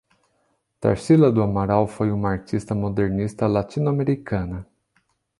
Tarsila do Amaral foi uma artista modernista latino-americana